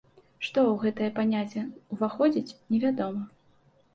Што ў гэтае паняцце ўваходзіць, невядома.